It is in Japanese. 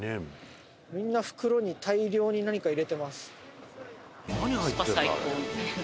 みんな袋に大量に何か入れてます。